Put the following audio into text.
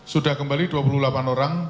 sudah kembali dua puluh delapan orang